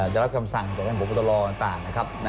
จะรับคำสั่งจากแห่งบุคตรต่างนะครับ